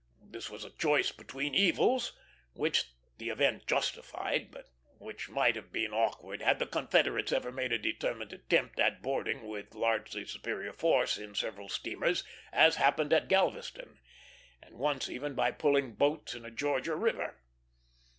This was a choice between evils, which the event justified, but which might have been awkward had the Confederates ever made a determined attempt at boarding with largely superior force in several steamers, as happened at Galveston, and once even by pulling boats in a Georgia river.